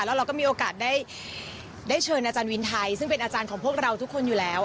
แล้วเราก็มีโอกาสได้เชิญอาจารย์วินไทยซึ่งเป็นอาจารย์ของพวกเราทุกคนอยู่แล้ว